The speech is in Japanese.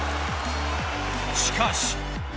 しかし。